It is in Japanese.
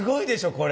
これ。